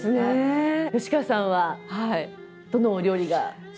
吉川さんはどのお料理が？